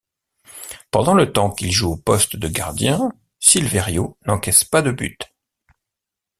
Pendant le temps qu'il joue au poste de gardien, Silverio n'encaisse pas de but.